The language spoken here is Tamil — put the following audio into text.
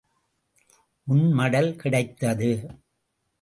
உன் மடல் கிடைத்தது.